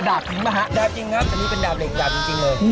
ดาบจริงครับอันนี้เป็นดาบเหล็กดาบจริงเลย